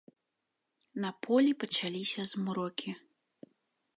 На полі пачаліся змрокі.